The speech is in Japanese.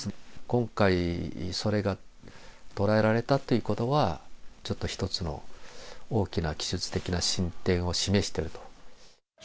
今回、それが捉えられたということは、ちょっと一つの大きな技術的な進展を示していると。